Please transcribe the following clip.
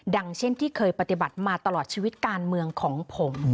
เช่นที่เคยปฏิบัติมาตลอดชีวิตการเมืองของผม